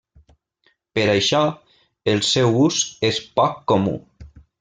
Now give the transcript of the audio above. Per això, el seu ús és poc comú.